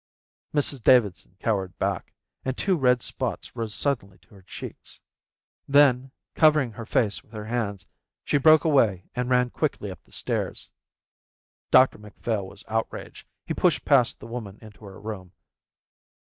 Mrs Davidson cowered back, and two red spots rose suddenly to her cheeks. Then, covering her face with her hands, she broke away and ran quickly up the stairs. Dr Macphail was outraged. He pushed past the woman into her room.